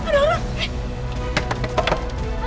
dewa ada orang